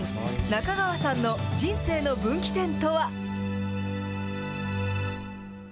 中川さんの人生の分岐点とは。